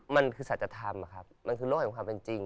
มันคือสัจธรรมอะครับมันคือโลกแห่งความเป็นจริง